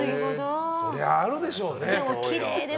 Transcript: それはあるでしょうね。